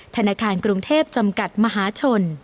ธนาคารกรุงเทพจำกัดมหาชน